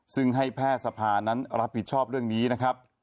ซึ่งให้แพทย์สภานั้นรับผิดชอบเรื่องนี้นะครับ